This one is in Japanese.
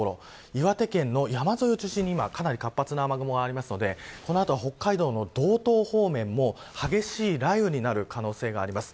岩手県の山沿いを中心に今かなり活発な雨雲があるのでこの後は北海道の道東方面も激しい雷雨になる可能性があります。